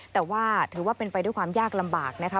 แต่ว่าถือว่าเป็นไปด้วยความยากลำบากนะคะ